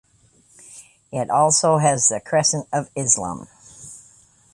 It also has the crescent of Islam.